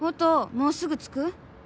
もうすぐ着く？」